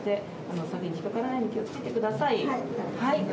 詐欺に引っかからないように気を付けてください。